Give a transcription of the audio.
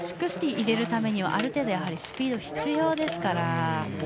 １６２０を入れるためにはある程度スピードが必要ですから。